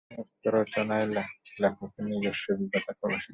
এই সমস্ত রচনায় লেখকের নিজস্ব অভিজ্ঞতা প্রকাশিত হয়েছিল।